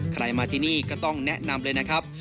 ใครมาที่นี่ก็ต้องแนะนำเลยนะครับ